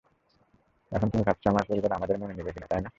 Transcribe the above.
এখন তুমি ভাবছো আমার পরিবার আমাদের মেনে নিবে কিনা, তাই না?